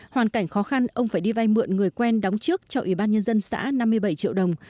hoàn cảnh khó khăn ông phải đi vay mượn người quen đóng trước cho ủy ban nhân dân xã năm mươi bảy triệu đồng